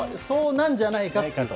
そうなんじゃないかと。